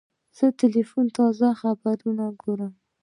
زه د تلویزیون تازه خبرونه ګورم.